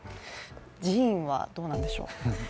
寺院はどうなんでしょう。